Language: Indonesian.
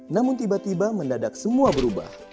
namun tiba tiba mendadak semua berubah